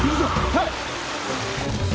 はい。